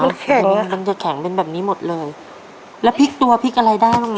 มันแข็งมันจะแข็งเป็นแบบนี้หมดเลยแล้วพลิกตัวพลิกอะไรได้บ้าง